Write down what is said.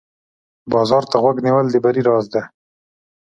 بازار ته غوږ نیول د بری راز دی.